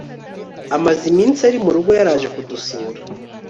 amaze iminsi ari murugo yaraje kudusura